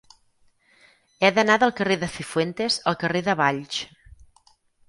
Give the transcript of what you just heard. He d'anar del carrer de Cifuentes al carrer de Valls.